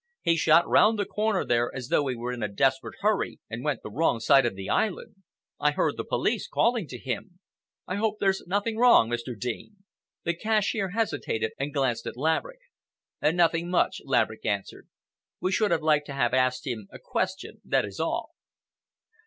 He shot round the corner there as though he were in a desperate hurry, and went the wrong side of the island. I heard the police calling to him. I hope there's nothing wrong, Mr. Dean?" The cashier hesitated and glanced at Laverick. "Nothing much," Laverick answered. "We should have liked to have asked him a question—that is all."